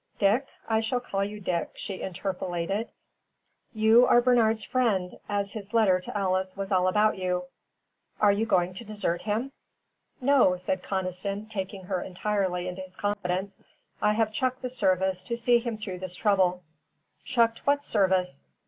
"Dick I shall call you Dick," she interpolated "you are Bernard's friend, as his letter to Alice was all about you. Are you going to desert him?" "No," said Conniston, taking her entirely into his confidence. "I have chucked the service to see him through his trouble." "Chucked what service?"